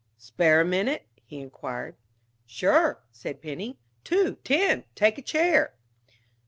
"Spare a minute?" he inquired. "Sure," said Penny; "two, ten! Take a chair."